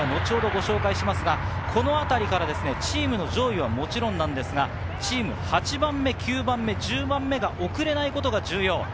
このあたりからチームの上位はもちろんですが、チーム８番目、９番目、１０番目が遅れないことが重要です。